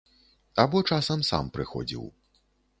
Або часам сам прыходзіў.